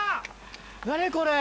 何これ？